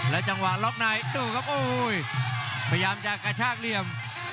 จังหวะล็อกในดูครับโอ้ยพยายามจะกระชากเหลี่ยม